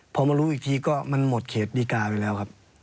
พอมารู้อีกทีก็มันหมดเขตดีการ์ไปแล้วครับ